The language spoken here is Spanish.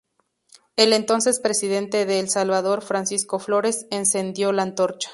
El entonces presidente de El Salvador, Francisco Flores, encendió la antorcha.